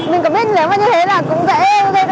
mình có biết nếu như thế là cũng dễ gây tên đàn không chị